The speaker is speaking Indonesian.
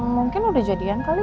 mungkin udah jadian kali